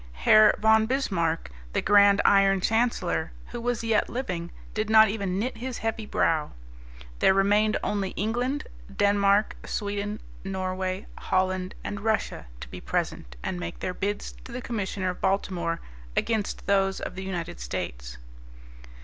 Herr von Bismarck, the grand Iron Chancellor, who was yet living, did not even knit his heavy brow. There remained only England, Denmark, Sweden, Norway, Holland and Russia to be present and make their bids to the Commissioner of Baltimore, against those of the United States.